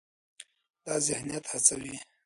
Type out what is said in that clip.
دا ذهنیت هڅوي،